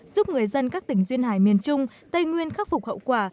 giúp người dân các tỉnh duyên hải miền trung tây nguyên khắc phục hậu quả